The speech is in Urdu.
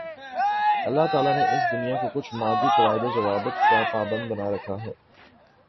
اللہ تعالیٰ نے اس دنیا کو کچھ مادی قواعد و ضوابط کا پابند بنا رکھا ہے